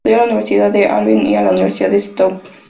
Acudió a la Universidad de Harvard y a la Universidad Stanford.